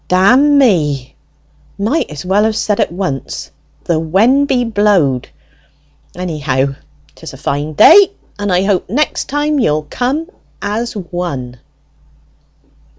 "Dammy might as well have said at once, the when be blowed! Anyhow, 'tis a fine day, and I hope next time you'll come as one."